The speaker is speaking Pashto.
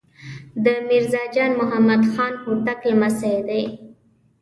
د میرزا جان محمد خان هوتک لمسی دی.